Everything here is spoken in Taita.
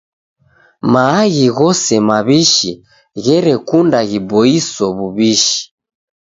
Maaghi ghose maw'ishi gherekunda ghiboiso w'uw'ishi.